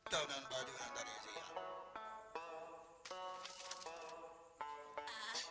tapi mau jual harold